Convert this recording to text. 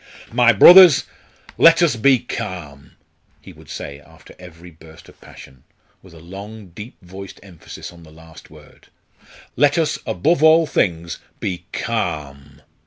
"My brothers, let us be calm!" he would say after every burst of passion, with a long deep voiced emphasis on the last word; "let us, above all things, be calm!"